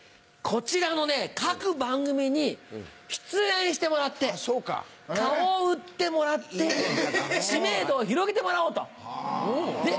こちらの各番組に出演してもらって顔を売ってもらって知名度を広げてもらおうと。